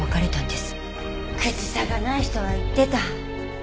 口さがない人は言ってた。